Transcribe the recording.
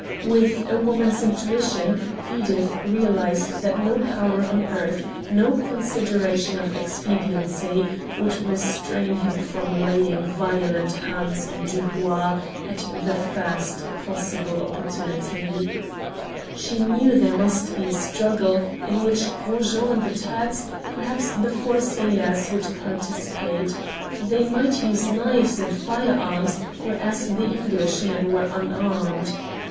With a woman's intuition Edith realized that no power on earth, no consideration of expediency, would restrain him from laying violent hands on Dubois at the first possible opportunity. She knew there must be a struggle, in which Gros Jean and the Turks, perhaps the four sailors, would participate. They might use knives and firearms, whereas the Englishmen were unarmed.